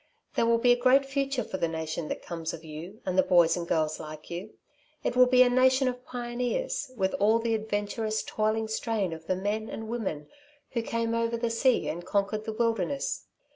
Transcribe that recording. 'There will be a great future for the nation that comes of you and the boys and girls like you. It will be a nation of pioneers, with all the adventurous, toiling strain of the men and women who came over the sea and conquered the wilderness.